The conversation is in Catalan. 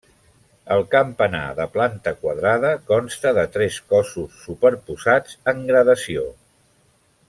El campanar, de planta quadrada, consta de tres cossos superposats en gradació.